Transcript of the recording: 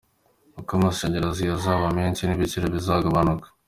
Uko amashanyarazi azaba menshi n’ibiciro bizagabanuka.